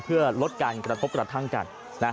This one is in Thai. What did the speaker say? เพื่อลดการกระทบกระทั่งกัน